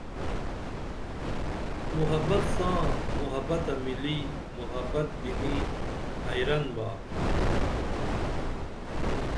محبت ساں محبت تہ مِلی محبت بِنی حیئرن با